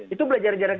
itu belajar jarak jauh